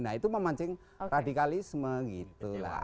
nah itu memancing radikalisme gitu lah